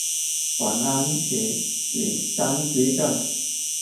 王安石與張居正